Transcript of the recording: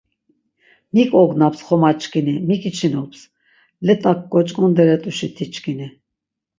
Mik ognaps xoma çkini mik içinops, let̆ak goç̆k̆onderet̆uşi ti çkini.